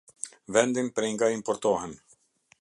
Vendin prej nga importohen.